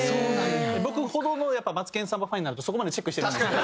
僕ほどの『マツケンサンバ』ファンになるとそこまでチェックしてるんですよ。